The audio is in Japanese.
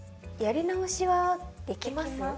やり直しはできます？